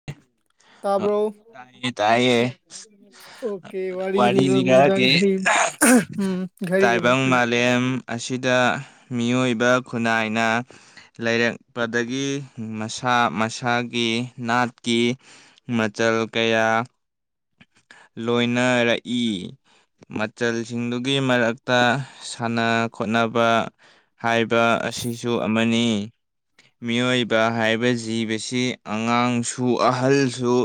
[unintelligible] ꯇꯥꯕ꯭ꯔꯣ ꯇꯥꯏꯌꯦ ꯇꯥꯏꯌꯦ ꯑꯣꯀꯦ ꯋꯥꯔꯤ ꯂꯤꯕ ꯃꯤꯗ ꯒꯔꯤ ꯎꯝ ꯒꯔꯤ ꯕꯪ ꯃꯥꯂꯦꯝ ꯑꯁꯤꯗ ꯃꯤꯑꯣꯏꯕ ꯈꯨꯟꯅꯥꯏꯅ ꯂꯩꯔꯛꯄꯗꯒꯤ ꯃꯁꯥ ꯃꯁꯥꯒꯤ ꯅꯥꯠ ꯀꯤ ꯃꯆꯜ ꯀꯌꯥ ꯂꯣꯏꯅꯔꯛꯏ ꯃꯆꯜꯁꯤꯡꯗꯨꯒꯤ ꯃꯔꯛꯇ ꯁꯥꯟꯅ ꯈꯣꯠꯅꯕ ꯍꯥꯏꯕ ꯑꯁꯤꯁꯨ ꯑꯃꯅꯤ ꯃꯤꯑꯣꯏꯕ ꯍꯥꯏꯕ ꯖꯤꯕꯁꯤ ꯑꯉꯥꯡꯁꯨ ꯎ ꯑꯍꯜꯁꯨ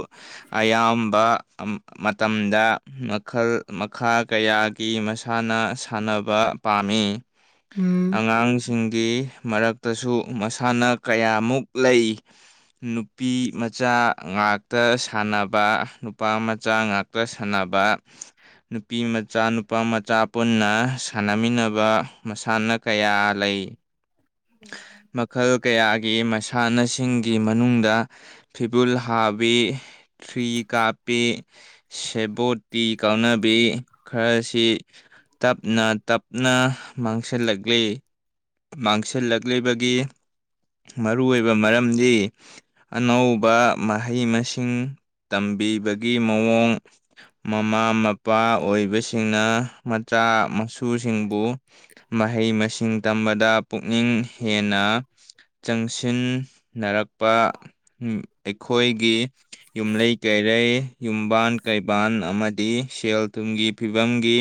ꯑꯌꯥꯝꯕ ꯃꯇꯝꯗ ꯃꯈꯜ ꯃꯈꯥ ꯀꯌꯥꯒꯤ ꯃꯁꯥꯟꯅ ꯁꯥꯟꯅꯕ ꯄꯥꯝꯃꯤ ꯎꯝ ꯑꯉꯥꯡ ꯁꯤꯡꯒꯤ ꯃꯔꯛꯇꯁꯨ ꯃꯁꯥꯟꯅ ꯀꯌꯥꯃꯨꯛ ꯂꯩ ꯅꯨꯄꯤ ꯃꯆꯥ ꯉꯥꯛꯇ ꯁꯥꯟꯅꯕ ꯅꯨꯄꯥ ꯃꯆꯥ ꯉꯥꯛꯇ ꯁꯥꯟꯅꯕ ꯅꯨꯄꯤ ꯃꯆꯥ ꯅꯨꯄꯥ ꯃꯆꯥ ꯄꯨꯟꯅ ꯁꯥꯟꯅꯃꯤꯟꯅꯕ ꯃꯁꯥꯟꯅ ꯀꯌꯥ ꯂꯩ ꯎꯝ ꯃꯈꯜ ꯀꯌꯥꯒꯤ ꯃꯁꯥꯟꯅꯁꯤꯡꯒꯤ ꯃꯅꯨꯡꯗ ꯐꯤꯕꯨꯜ ꯍꯥꯕꯤ ꯊ꯭ꯔꯤ ꯀꯥꯞꯄꯤ ꯁꯦꯕꯣꯠꯇꯤ ꯀꯥꯎꯅꯕꯤ ꯈꯔꯁꯤ ꯇꯞꯅ ꯇꯞ ꯅ ꯃꯥꯡꯁꯤꯜꯂꯛꯂꯤ ꯃꯥꯡꯁꯤꯜꯂꯛꯂꯤꯕꯒꯤ ꯃꯔꯨ ꯑꯣꯏꯕ ꯃꯔꯝꯗꯤ ꯑꯅꯧ ꯇꯧꯕ ꯃꯍꯩ ꯃꯁꯤꯡ ꯇꯝꯕꯤꯕꯒꯤ ꯃꯑꯣꯡ ꯃꯃꯥ ꯃꯄꯥ ꯑꯣꯏꯕꯁꯤꯡꯅ ꯃꯆꯥ ꯃꯁꯨꯁꯤꯡꯕꯨ ꯃꯍꯩ ꯃꯁꯤꯡ ꯇꯝꯕꯗ ꯄꯨꯛꯅꯤꯡ ꯍꯦꯟꯅ ꯆꯪꯁꯤꯟꯅꯔꯛꯄ ꯑꯩꯈꯣꯏꯒꯤ ꯌꯨꯝꯂꯩ ꯀꯩꯔꯩ ꯌꯨꯝꯕꯥꯟ ꯀꯩꯕꯥꯟ ꯑꯃꯗꯤ ꯁꯦꯜ ꯊꯨꯝꯒꯤ ꯐꯤꯕꯝꯒꯤ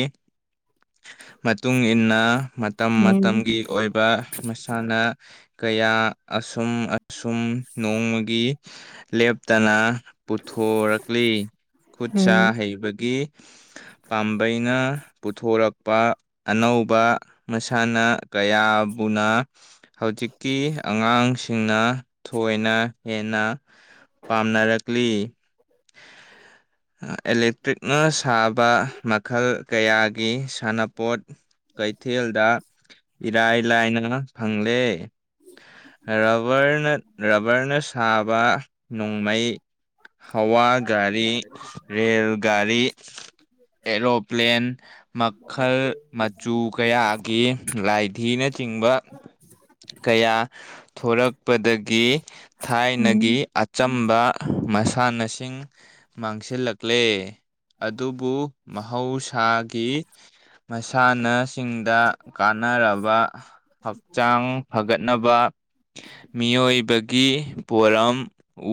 ꯃꯇꯨꯡ ꯏ ꯃꯇꯨꯡꯏꯟꯅ ꯃꯇꯝ ꯎꯝ ꯃꯇꯝꯒꯤ ꯑꯣꯏꯕ ꯃꯁꯥꯟꯅ ꯀꯌꯥ ꯑꯁꯨꯝ ꯑꯁꯨꯝ ꯅꯣꯡꯃꯒꯤ ꯂꯦꯞꯇꯅ ꯄꯨꯊꯣꯔꯛꯂꯤ ꯈꯨꯠ ꯁꯥ ꯎꯝ ꯍꯩꯕꯒꯤ ꯄꯥꯝꯕꯩꯅ ꯄꯨꯊꯣꯔꯛ ꯄ ꯑꯅꯧꯕ ꯃꯁꯥꯟꯅ ꯀꯌꯥꯕꯨꯅ ꯍꯧꯖꯤꯛꯀꯤ ꯑꯉꯥꯡꯁꯤꯡꯅ ꯊꯣꯏꯅ ꯍꯦꯟꯅ ꯄꯥꯝꯅꯔꯛꯂꯤ ꯑꯦꯂꯦꯛꯇ꯭ꯔꯤꯛꯅ ꯁꯥꯕ ꯃꯈꯜ ꯀꯌꯥꯒꯤ ꯁꯥꯟꯅꯄꯣꯠ ꯀꯩꯊꯦꯜꯗ ꯏꯔꯥꯏ ꯂꯥꯏꯅ ꯐꯪꯂꯦ ꯔꯕꯔꯅ ꯁꯥꯕ ꯅꯣꯡꯃꯩ ꯍꯋꯥ ꯒꯥꯔꯤ ꯔꯦꯜ ꯒꯥꯔꯤ ꯑꯦꯔꯣꯄ꯭ꯂꯦꯟ ꯃꯈꯜ ꯃꯆꯨ ꯀꯌꯥꯒꯤ ꯂꯥꯏꯙꯤꯅꯆꯤꯡꯕ ꯀꯌꯥ ꯊꯣꯔꯛꯄꯗꯒꯤ ꯎꯝ ꯊꯥꯏꯅꯒꯤ ꯎꯝ ꯑꯆꯝꯕ ꯃꯁꯥꯟꯅꯁꯤꯡ ꯃꯥꯡꯁꯤꯜꯂꯛ ꯥꯀꯂꯦ ꯑꯗꯨꯕꯨ ꯃꯍꯧꯁꯥꯒꯤ ꯃꯁꯥꯟꯅꯁꯤꯡꯗ ꯀꯥꯟꯅꯔꯕ ꯍꯛꯆꯥꯡ ꯐꯒꯠꯅꯕ ꯃꯤꯑꯣꯏꯕꯒꯤ ꯄꯣꯔꯝ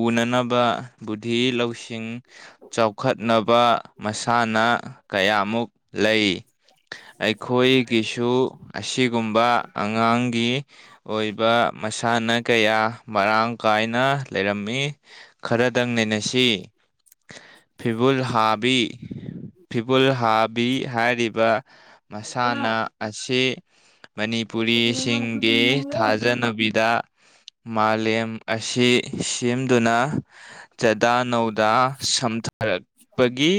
ꯎꯅꯅꯕ ꯕꯨꯙꯤ ꯂꯧꯁꯤꯡ ꯆꯥꯎꯈꯠꯅꯕ ꯃꯁꯥꯟꯅ ꯀꯌꯥꯃꯨꯛ ꯂꯩ ꯑꯩꯈꯣꯏꯒꯤꯁꯨ ꯑꯁꯤꯒꯨꯝꯕ ꯑꯉꯥꯡꯒꯤ ꯑꯣꯏꯕ ꯃꯁꯥꯟꯅ ꯀꯌꯥ ꯃꯔꯥꯡ ꯀꯥꯏꯅ ꯂꯩꯔꯝꯃꯤ ꯈꯔꯗꯪ ꯅꯩꯅꯁꯤ ꯐꯤꯕꯨꯜ ꯍꯥꯕꯤ ꯐꯤꯕꯨꯜ ꯍꯥꯕꯤ ꯍꯥꯏꯔꯤꯕ ꯃꯁꯥꯟꯅ ꯑꯁꯤ ꯃꯅꯤꯄꯨꯔꯤꯁꯤꯡꯒꯤ ꯊꯥꯖꯅꯕꯤꯗ ꯃꯥꯂꯦꯝ ꯑꯁꯤ ꯁꯦꯝꯗꯨꯅ ꯆꯗꯥ ꯅꯧꯗꯥ ꯁꯝꯊꯔꯛ ꯒꯤ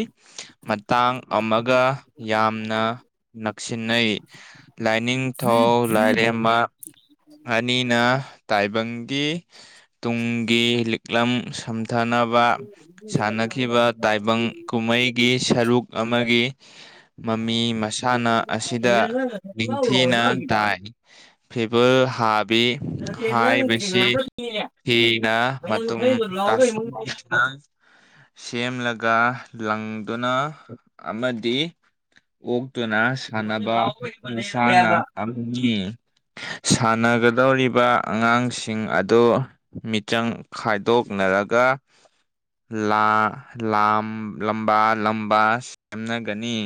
ꯃꯇꯥꯡ ꯑꯃꯒ ꯌꯥꯝꯅ ꯅꯛꯁꯤꯟꯅꯩ ꯂꯥꯏꯅꯤꯡꯊꯧ ꯂꯥꯏꯔꯦꯝꯃ ꯑꯅꯤꯅ ꯇꯥꯏꯕꯪꯒꯤ ꯇꯨꯡꯒꯤ ꯂꯤꯛꯂꯝ ꯁꯝ ꯊꯅꯕ ꯁꯥꯅꯈꯤꯕ ꯇꯥꯏꯕꯪ ꯀꯨꯝꯍꯩꯒꯤ ꯁꯔꯨꯛ ꯑꯃꯒꯤ ꯃꯃꯤ ꯃꯁꯥꯟꯅ ꯑꯁꯤꯗ ꯅꯤꯡꯊꯤꯅ ꯇꯥꯏ ꯐꯤꯕꯨꯜ ꯍꯥꯕꯤ ꯍꯥꯏꯕꯁꯤ ꯍꯤꯅ ꯃꯇꯨꯝ ꯇꯥꯁꯤꯟ ꯁꯦꯝꯂꯒ ꯂꯪꯗꯨꯅ ꯑꯃꯗꯤ ꯑꯣꯛꯇꯨꯅ ꯁꯥꯟꯅꯕ ꯃꯁꯥꯅ ꯑꯝꯅꯤ꯫ ꯁꯥꯟꯅꯒꯗꯧꯔꯤꯕ ꯑꯉꯥꯡꯁꯤꯡ ꯑꯗꫭ ꯃꯤꯆꯪ ꯈꯥꯏꯗꯣꯛꯅꯔꯒ ꯂꯥ ꯂꯥꯝ ꯂꯝꯕꯥ ꯂꯝꯕꯥ ꯁꯦꯝꯅꯒꯅꯤ꯫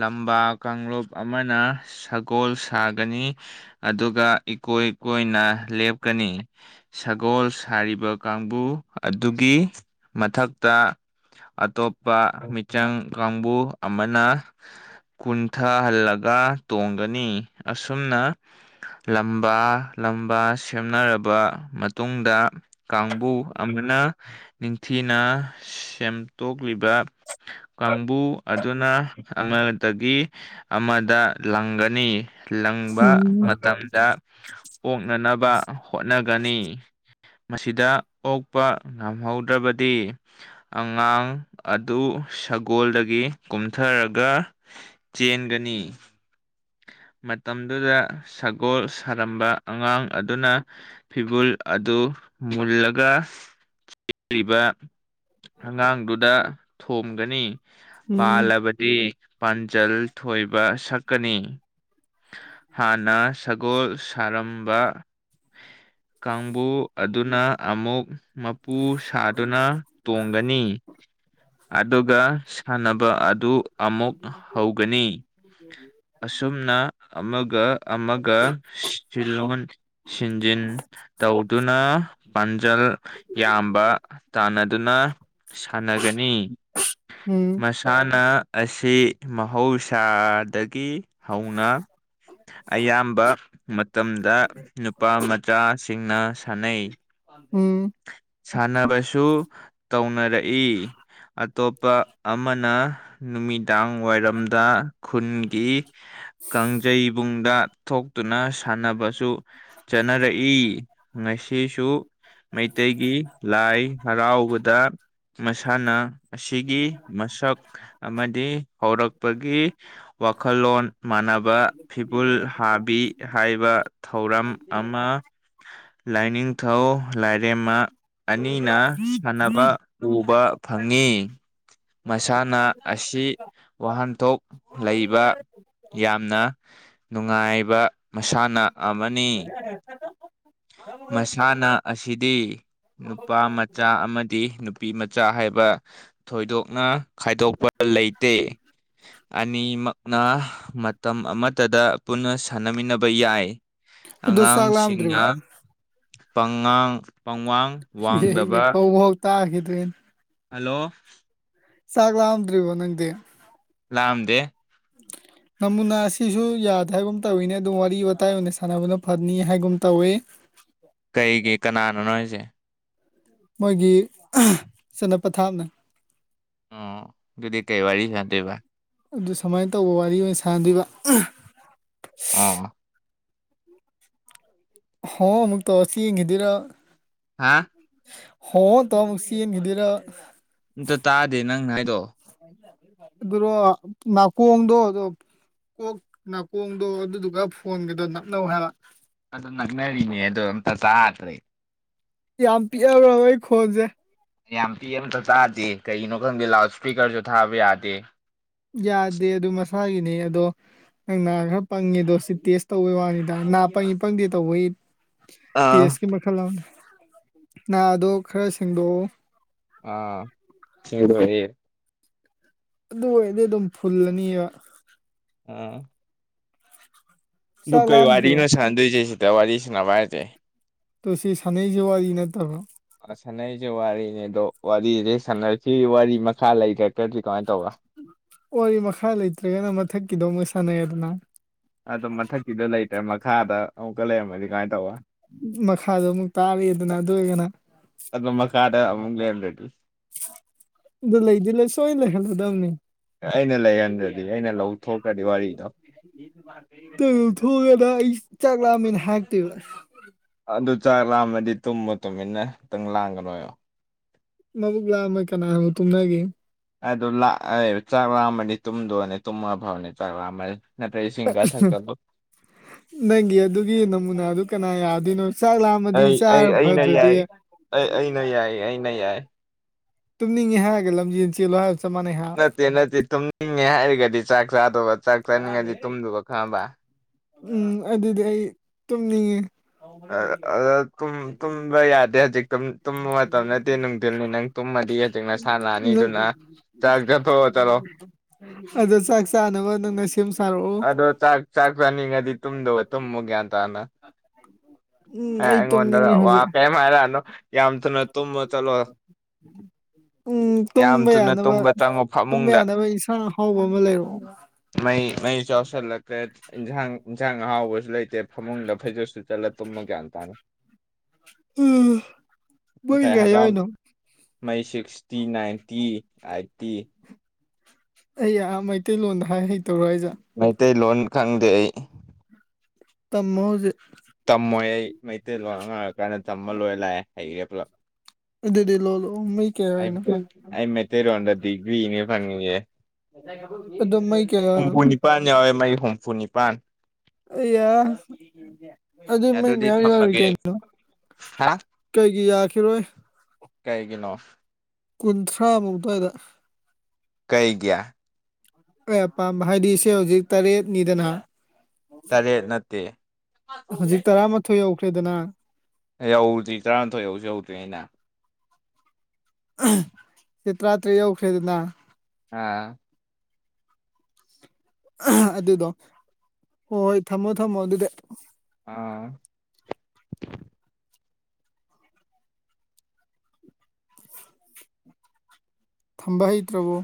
ꯂꯝꯕꯥ ꯀꯥꯡꯂꯨꯞ ꯑꯃꯅ ꯁꯒꯣꯜ ꯁꯥꯒꯅꯤ꯫ ꯑꯗꯨꯒ ꯏꯀꯣꯏ ꯀꯣꯏꯅ ꯂꯦꯞꯀꯅꯤ꯫ ꯁꯒꯣꯜ ꯁꯥꯔꯤꯕ ꯀꯥꯡꯕꯨ ꯑꯗꯨꯒꯤ ꯃꯊꯛꯇ ꯑꯇꯣꯞꯄ ꯃꯤꯆꯪ ꯀꯥꯡꯕꯨ ꯑꯃꯅ ꯀꯨꯟꯊꯍꯜꯂꯒ ꯇꯣꯡꯒꯅꯤ ꯑꯁꯨꯝꯅ ꯂꯝꯕꯥ ꯂꯝꯕꯥ ꯁꯦꯝꯅꯔꯕ ꯃꯇꯨꯡꯗ ꯀꯥꯡꯕꯨ ꯑꯃꯅ ꯅꯤꯡꯊꯤꯅ ꯁꯦꯝ ꯇꯣꯛꯂꯤꯕ ꯀꯥꯡꯕꯨ ꯑꯗꯨꯅ ꯑꯃꯗꯒꯤ ꯑꯃꯗ ꯂꯪꯒꯅꯤ ꯂꯪꯕ ꯃꯇꯝꯗ ꯑꯣꯛꯅꯅꯕ ꯍꯣꯠꯅꯒꯅꯤ꯫ ꯃꯁꯤꯗ ꯑꯣꯛꯄ ꯉꯝꯍꯧꯗ꯭ꯔꯕꯗꯤ ꯑꯉꯥꯡ ꯑꯗꯨ ꯁꯒꯣꯜꯗꯒꯤ ꯀꯨꯝꯊꯔ ꯒ ꯆꯦꯟꯒꯅꯤ꯫ ꯃꯇꯝꯗꯨꯗ ꯁꯒꯣꯜ ꯁꯥꯔꯝꯕ ꯑꯉꯥꯡ ꯑꯗꯨꯅ ꯐꯤꯕꯨꯜ ꯑꯗꯨ ꯃꯨꯜꯂꯒ ꯄꯤꯛꯔꯤꯕꯥ ꯑꯉꯥꯡꯗꯨꯗ ꯊꯣꯝꯒꯅꯤ ꯎꯝ ꯎꯝ ꯄꯥꯜꯂꯕ ꯗꯤ ꯄꯥꯟꯖꯜ ꯊꯣꯏꯕ ꯁꯛꯀꯅꯤ꯫ ꯍꯥꯟꯅ ꯁꯒꯣꯜ ꯁꯥꯔꯝꯕ ꯀꯥꯡꯕꯨ ꯑꯗꯨꯅ ꯑꯃꯨꯛ ꯃꯄꯨ ꯁꯥꯗꯨꯅ ꯇꯣꯡꯒꯅꯤ꯫ ꯑꯗꯨꯒ ꯁꯥꯟꯅꯕ ꯑꯗꯨ ꯑꯃꯨꯛ ꯍꯧꯒꯅꯤ꯫ [inaudible] ꯑꯁꯨꯝꯅ ꯑꯃꯒ-ꯑꯃꯒ ꯁꯤꯂꯜꯣꯟ ꯁꯤꯟꯖꯤꯟ ꯇꯧꯗꯨꯅ ꯄꯥꯟꯖꯜ ꯌꯥꯝꯕ ꯇꯥꯟꯅꯗꯨꯅ ꯁꯥꯟꯅꯒꯅꯤ꯫ [unintelligible] ꯃꯁꯥꯟꯅ ꯑꯁꯤ ꯃꯍꯧꯁꯥꯗꯒꯤ ꯍꯧꯅ ꯑꯌꯥꯝꯕ ꯃꯇꯝꯗ ꯅꯨꯞ ꯄꯥ ꯃꯆꯥꯁꯤꯡꯅ ꯁꯥꯅꯩ꯫ ꯎꯝ ꯁꯥꯟꯅꯕꯁꯨ ꯇꯧꯅꯔꯛꯏ꯫ ꯑꯇꯣꯞꯄ ꯑꯃꯅ ꯅꯨꯃꯤꯗꯥꯡ ꯋꯥꯏꯔꯝꯗ ꯈꯨꯟꯒꯤ ꯀꯥꯡꯖꯩꯕꯨꯡꯗ ꯊꯣꯛꯇꯨꯅ ꯁꯥꯟꯅꯕꯁꯨ ꯆꯠꯅꯔꯛꯏ ꯉꯁꯤꯁꯨ ꯃꯩꯇꯩꯒꯤ ꯂꯥꯏ ꯍꯔꯥꯎꯕꯗ ꯃꯁꯥꯟꯅ ꯑꯁꯤꯒꯤ ꯃꯁꯛ ꯑꯃꯗꯤ ꯍꯧꯔꯛꯄꯒꯤ ꯋꯥꯈꯜꯂꯣꯟ ꯃꯥꯟꯅꯕ ꯐꯤꯕꯨꯜ ꯍꯥꯕꯤ ꯍꯥꯏꯕ ꯊꯧꯔꯝ ꯑꯃ ꯂꯥꯏꯅꯤꯡꯊꯧ ꯂꯥꯏꯔꯦꯝꯃ ꯑꯅꯤꯅ ꯁꯥꯟꯅꯕ ꯎꯕ ꯐꯪꯉꯤ ꯃꯁꯥꯟꯅ ꯑꯁꯤ ꯋꯥꯍꯟꯊꯣꯛ ꯂꯩꯕ ꯌꯥꯝꯅ ꯅꯨꯡꯉꯥꯏꯕ ꯃꯁꯥꯟꯅ ꯑꯃꯅꯤ꯫ ꯃꯁꯥꯟꯅ ꯑꯁꯤꯗꯤ ꯅꯨꯄꯥ ꯃꯆꯥ ꯑꯃꯗꯤ ꯅꯨꯄꯤꯃꯆꯥ ꯍꯥꯏꯕ ꯊꯣꯏꯗꯣꯛꯅ ꯈꯥꯏꯗꯣꯛꯄ ꯂꯩꯇꯦ꯫ ꯑꯅꯤꯃꯛꯅ ꯃꯇꯝ ꯑꯃꯠꯇꯗ ꯄꯨꯟꯅ ꯁꯥꯟꯅꯃꯤꯟꯅꯕ ꯌꯥꯏ꯫ ꯑꯗꯣ ꯆꯥꯛ ꯂꯥꯝꯗ꯭ꯔꯤꯕꯣ ꯑꯉꯥꯡꯁꯤꯡꯅ ꯄꯪꯉꯥꯡ ꯄꯪꯋꯥꯡ [unintelligible] ꯋꯥꯡꯗꯕ ꯀꯧꯚꯧ ꯇꯥꯈꯤꯗ꯭ꯔꯦ꯫ ꯍꯜꯂꯣ ꯁꯥ ꯂꯥꯑꯝꯗ꯭ꯔꯤ ꯋꯥꯣ ꯅꯪꯦ ꯂꯥꯝꯗꯦ ꯅꯃꯨꯅꯥ [unintelligible] ꯑꯁꯤꯁꯨ ꯌꯥꯗꯦ ꯍꯥꯏꯒꯨꯝ ꯇꯧꯋꯤꯅꯦ ꯑꯗꯨꯝ ꯋꯥꯔꯤ ꯋꯥꯇꯥꯏ ꯑꯣꯏꯅ ꯁꯥꯟꯅꯕꯅ ꯐꯅꯤ ꯍꯥꯏꯒꯨꯝ ꯇꯧꯏ ꯀꯩꯒꯤ ꯀꯅꯥꯅꯣꯅꯣ ꯑꯩꯁꯦ ꯃꯣꯏꯒꯤ ꯆꯠꯅ ꯄꯊꯥꯞꯅ ꯑꯣ ꯑꯗꯨꯗꯤ ꯀꯩꯕꯥꯔꯤ ꯌꯥꯗꯣꯏꯕ ꯑꯗꯨ ꯁꯨꯃꯥꯏꯅ ꯇꯧꯕ ꯋꯥꯔꯤ ꯑꯣꯏꯅ ꯁꯥꯥꯟꯗꯣꯏꯕ ꯑꯣ ꯍ ꯑꯃꯨꯛ ꯇꯧ ꯑꯁꯤ ꯌꯦꯡꯈꯤꯗꯣꯏꯔꯥ ꯍꯥ ꯍꯣ ꯇꯃꯨꯁꯤ ꯅꯤꯡꯗꯔ ꯑꯝꯇ ꯇꯥꯗꯦ ꯅꯪꯅ ꯍꯥꯏꯗꯣ ꯑꯗꯨꯣ ꯅꯥꯀꯣꯡꯗꯣ ꯀꯣꯛ ꯅꯥꯀꯣꯡꯗꯣ ꯑꯗꯨꯗꯨꯒ ꯐꯣꯟꯒꯗꯣ ꯅꯞꯅꯧ ꯍꯥꯏꯕ ꯑꯗꯨ ꯂꯛꯅꯔꯤꯅꯦ ꯑꯗꯣ ꯑꯝꯇ [unintelligible] ꯆꯥꯗ꯭ꯔꯦ [unintelligible] ꯌꯥꯝ ꯄꯤꯛꯑꯕ꯭ꯔ ꯑꯩ ꯈꯣꯟꯁꯦ ꯌꯥꯝ ꯄꯤ ꯑꯝꯇ ꯆꯥꯗꯦ ꯀꯒꯤꯩꯅꯣ ꯈꯪꯗꯦ ꯂꯥꯎꯠ ꯏꯁꯄꯤꯀꯔꯁꯨ ꯊꯥꯕ ꯌꯥꯗꯦ ꯌꯥꯗꯦ ꯑꯗꯨꯝ ꯃꯁꯥꯒꯤꯅꯤ ꯑꯗꯣ ꯅꯪ ꯅꯥ ꯈꯔ ꯄꯪꯉꯦ ꯑꯗꯣ ꯁꯤ ꯇꯦꯁ ꯇꯧꯕꯩ ꯋꯥꯅꯤꯗ ꯅꯥ ꯄꯪꯉꯤ ꯄꯪꯗꯦ ꯇꯧꯕꯩ ꯑꯥ ꯇꯦꯁꯀꯤ ꯃꯈꯜ ꯑꯃ ꯅꯥꯥꯗꯣ ꯈꯔ ꯁꯦꯡꯗꯣꯛꯎ ꯑ ꯁꯤꯌꯦ ꯑꯗꯨ ꯑꯣꯏꯔꯗꯤ ꯑꯗꯨꯝ ꯐꯨꯜꯂꯅꯤꯕ ꯎꯝ ꯑꯗꯨ ꯆꯥꯛ ꯀꯣꯏ ꯂꯥꯝꯗ꯭ꯔꯤꯕꯣ ꯋꯥꯔꯤꯅꯣ ꯁꯥꯟꯗꯣꯏꯁꯦ ꯁꯤꯗ ꯋꯥꯔꯤꯁꯤꯅꯕꯥꯔꯖꯦ ꯑꯗꯣ ꯁꯤ ꯁꯥꯟꯅꯩꯁꯦ ꯋꯥꯔꯤ ꯅꯠꯇꯕ ꯑ ꯁꯥꯟꯅꯔꯤꯁꯦ ꯋꯥꯔꯤꯅꯦ ꯑꯗꯣ ꯋꯥꯔꯤꯁꯦ ꯁꯥꯟꯅꯩꯤꯁꯤ ꯋꯥꯔꯤ ꯃꯈꯥ ꯂꯩꯔꯛꯇ꯭ꯔꯘꯤ ꯀꯃꯥꯏꯅ ꯇꯧꯕ ꯋꯥꯔꯤ ꯃꯈꯥ ꯂꯩꯇ꯭ꯔꯒꯅ ꯃꯊꯛꯀꯤꯗꯣ ꯑꯃꯨꯛ ꯁꯥꯟꯅꯔꯦꯗꯅ ꯑꯣ ꯃꯊꯛꯀꯤꯗꯣ ꯂꯩꯇ꯭ꯔꯦ ꯃꯈꯥꯗ ꯑꯃꯨꯛꯀ ꯂꯩꯔꯝꯃꯗꯤ ꯀꯃꯥꯏꯅ ꯇꯧꯕ ꯃꯈꯥꯗꯣ ꯑꯃꯨꯛ ꯇꯥꯔꯤꯗꯅ ꯑꯗꯨ ꯑꯣꯏꯔꯒꯅ ꯑꯗꯨ ꯃꯈꯥꯗ ꯑꯃꯨꯛ ꯂꯩꯔꯝꯗ꯭ꯔꯘꯤ ꯑꯗꯨ ꯂꯩꯗꯤꯦ ꯂꯩ ꯁꯣꯣꯏ ꯂꯦꯂꯗꯝꯅꯤ ꯑꯩꯅ ꯂꯩꯍꯟꯗ꯭ꯔꯗꯤ ꯑꯩꯅ ꯂꯧꯊꯣꯛꯇ꯭ꯔꯗꯤ ꯋꯥꯔꯤꯗꯣ ꯊꯒꯦꯗ ꯏ ꯆꯒꯂ ꯃꯟ ꯍꯥꯥꯛꯇꯕ ꯑꯗꯨ ꯆꯥꯛ ꯂꯥꯝꯃꯗꯤ ꯇꯨꯝꯕ ꯇꯨꯝꯃꯤꯟꯅ ꯈꯤꯇꯪ ꯂꯥꯡꯒꯔꯣꯏꯣ ꯃꯕꯨꯛ ꯂꯥꯝꯃ ꯀꯅꯥ ꯇꯨꯝꯅꯒꯦ ꯑꯗꯨ ꯂ ꯆꯥꯛꯔꯥꯛ ꯑꯃꯗꯤ ꯇꯨꯝꯗꯣꯅꯦ ꯇꯨꯝꯃ ꯐꯥꯎꯅꯦ ꯆꯥꯛꯥ ꯑꯃꯅꯤ ꯁꯤꯡꯒ ꯊ ꯆꯂꯣ [unintelligible] ꯅꯪꯒꯤ ꯑꯗꯨꯒꯤ ꯅꯃꯨꯅꯥꯗꯨ ꯀꯅꯥ ꯌꯥꯗꯣꯏꯅꯣ ꯆꯥꯛ ꯂꯥꯝꯃꯗꯤ ꯑꯩ ꯑꯩ ꯆꯥꯔ ꯑꯩꯅ ꯐꯗ꯭ꯔꯗꯤ ꯌꯥꯏ ꯑꯩ ꯑꯩꯅ ꯌꯥꯏꯌꯦ ꯑꯩꯅ ꯌꯥꯏ ꯇꯨꯝꯅꯤꯡꯉꯦ ꯍꯥꯏꯔꯒ ꯂꯝꯖꯦꯜ ꯆꯦꯜꯂ ꯍꯥꯏꯒ ꯆꯞꯥꯟꯅꯩ ꯍꯥꯏ ꯑꯦ ꯅꯠꯇꯦ ꯊꯨꯝꯅꯤꯡꯉꯦ ꯍꯥꯏꯔꯒꯗꯤ ꯆꯥꯛ ꯆꯥꯗꯣꯕ ꯎꯝ ꯑꯗꯨꯗꯤ ꯑꯩ ꯇꯨꯝꯅꯤꯡꯉꯦ ꯑ ꯑꯗꯨꯥꯛ ꯑꯗꯨꯝ ꯇꯨꯝꯕ ꯌꯥꯗꯦ ꯍꯧꯖꯤꯛꯇ ꯇꯨꯝꯕ ꯃꯇꯝ ꯅꯠꯇꯦ ꯅꯨꯡꯊꯤꯜꯅꯤ ꯅꯪ ꯇꯨꯝꯃꯗꯤ ꯍꯧꯖꯤꯛ ꯅꯁꯥ ꯅꯪ ꯂꯥꯛꯑꯅꯤꯗꯨꯅ ꯑꯗꯣ ꯆꯥꯛ ꯆꯥꯅꯕ ꯅꯪꯅ ꯁꯦꯝ ꯁꯥꯔꯛꯑꯣ ꯑꯗꯣ ꯆꯥꯛ ꯆꯥꯛ ꯆꯥꯅꯤꯡꯉꯗꯤ ꯇꯨꯝꯗꯕ ꯇꯨꯝꯃꯨ ꯒ꯭ꯌꯥꯟ ꯇꯅ ꯎꯝ ꯑꯦ ꯑꯩ ꯑꯩꯉꯣꯟꯗ ꯇꯨꯝꯅꯤꯡꯉꯦ ꯋꯥ ꯍꯧꯖꯤꯛ ꯀꯩꯝ ꯍꯥꯏꯔꯛꯑꯅꯣ ꯌꯥꯝ ꯊꯨꯅ ꯇꯨꯝꯃ ꯆꯠꯂꯣ ꯎꯝ ꯌꯥꯝ ꯇꯨꯝꯕ ꯊꯨꯅ ꯌꯥꯅꯕ ꯇꯨꯝꯕ ꯆꯪꯉꯣ ꯇꯨꯝꯕ ꯐꯃꯨꯡꯗ ꯌꯥꯅꯕ ꯏꯁꯥꯡ ꯑꯍꯥꯎꯕ ꯑꯃ ꯂꯩꯔꯛꯑꯣ ꯃꯩ ꯃꯩ ꯆꯥꯎꯁꯜꯂꯛꯇ꯭ꯔꯦ ꯏꯟꯁꯥꯡ ꯏꯟꯁꯥꯡ ꯑꯍꯥꯎꯕꯁꯨ ꯂꯩꯇꯦ ꯐꯃꯨꯡꯗ ꯐꯩꯖꯨꯄ ꯁꯨꯞꯆꯜꯂ ꯇꯨꯝꯃ ꯒ꯭ꯌꯥꯟ ꯇꯥꯅꯤ ꯃꯩ ꯉꯁꯥꯏ ꯀꯌꯥ ꯍꯪꯒꯥꯝ ꯌꯥꯎꯔꯤꯅꯣ ꯃꯩ ꯁꯤꯛꯁꯇꯤ ꯅꯥꯏꯟꯇꯤ ꯑꯥꯏꯠꯇꯤ ꯑꯩ ꯑꯥ ꯃꯩꯇꯩꯂꯣꯟꯗ ꯍꯥꯏ ꯍꯩꯇꯕ꯭ꯔꯣ ꯍꯥꯏꯁꯦ ꯃꯩꯇꯩꯂꯣꯟ ꯈꯪꯗꯦ ꯑꯩ ꯇꯃꯣ ꯍꯧꯖꯤꯛ ꯇꯝꯃꯣꯏ ꯑꯩ ꯃꯩꯇꯩꯂꯣꯟ ꯑꯥꯉꯥꯡ ꯑꯣꯏꯔꯤꯀꯥꯟꯗ ꯇꯝꯃ ꯂꯣꯏ ꯂꯥꯛꯑꯦ ꯍꯩꯔꯦ ꯄꯨꯂꯞ ꯑꯗꯨꯗꯤ ꯂꯣꯜꯂꯛ ꯑꯣ ꯃꯩ ꯀꯌꯥ ꯑꯩ ꯍꯥꯏꯅꯣ ꯑꯩ ꯃꯩꯇꯩꯔꯣꯟꯗ ꯗꯤꯒꯔ꯭ꯤꯅꯦ ꯐꯪꯉꯤꯖꯦ ꯑꯗꯣ ꯃꯩ ꯀꯌꯥ ꯍꯥꯏꯅꯣ ꯍꯨꯝꯐꯨꯅꯤꯄꯥꯟ ꯌꯥꯎꯋꯦ ꯃꯩ ꯍꯨꯝꯐꯨꯅꯤꯄꯥꯟ ꯑ ꯌꯥ ꯑꯗꯨ ꯃꯩ ꯑꯗꯨꯗꯤ ꯃꯌꯥꯝ ꯌꯥꯎꯔꯤ ꯊꯝꯃꯒꯦ ꯀꯩꯅꯣ ꯍꯥ ꯀꯩꯒꯤ ꯌꯥꯈꯤꯔꯣꯏ ꯀꯩꯒꯤꯅꯣ ꯀꯨꯟꯊ꯭ꯔꯥꯃꯨꯛ ꯑꯗꯨꯋꯥꯏꯗ ꯀꯩꯒꯤ ꯑꯩ ꯑꯄꯥꯝꯕ ꯍꯥꯏꯗꯤ ꯁꯦ ꯍꯧꯖꯤꯛ ꯇꯔꯦꯠꯅꯤꯗꯅ ꯇꯔꯦꯠ ꯅꯠꯇꯦ ꯍꯨꯖꯤꯛ ꯇꯔꯥꯃꯥꯊꯣꯏ ꯌꯧꯈ꯭ꯔꯦꯗꯅ ꯌꯧꯗꯔꯤ ꯇꯔꯥꯃꯥꯊꯣꯏ ꯌꯧꯁꯨ ꯌꯧꯗ꯭ꯔꯤꯉꯩ ꯅ ꯁꯦ ꯇꯔꯥꯇꯔꯦꯠ ꯌꯧꯈ꯭ꯔꯦꯗꯅ ꯑꯥ ꯑꯗꯨꯗꯣ ꯍꯣꯏ ꯍꯣꯏ ꯊꯝꯃꯣ ꯊꯝꯃꯣ ꯑꯗꯨꯗꯤ ꯑꯥ ꯊꯝꯕ ꯍꯩꯇ꯭ꯔꯕꯣ